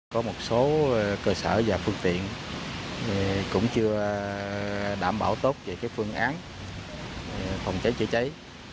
có một số cơ sở và phương tiện cũng chưa đảm bảo tốt về phương án phòng cháy chữa cháy